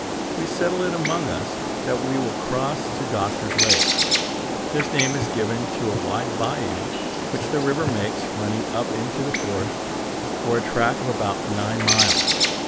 We settle it among us that we will cross to Doctor's Lake. This name is given to a wide bayou which the river makes, running up into the forest for a track of about nine miles.